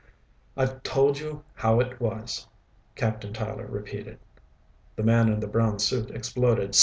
"I've told you how it was," Captain Tyler repeated. The man in the brown suit exploded.